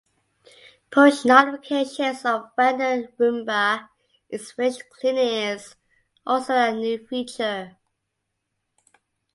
Push notifications of when the Roomba is finished cleaning is also a new feature.